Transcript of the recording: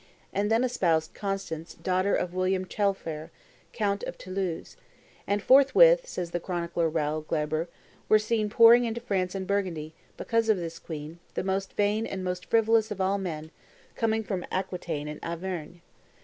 and then espoused Constance daughter of William Taillefer, count of Toulouse; and forth with, says the chronicler Raoul Glaber, "were seen pouring into France and Burgundy, because of this queen, the most vain and most frivolous of all men, coming from Aquitaine and Auvergne.